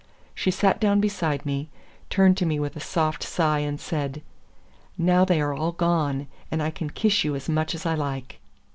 She sat down beside me, turned to me with a soft sigh and said, "Now they are all gone, and I can kiss you as much as I like."